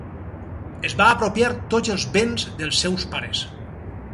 Es va apropiar tots els béns dels seus pares.